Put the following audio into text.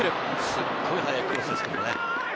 すっごい速いクロスですね。